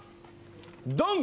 ドン。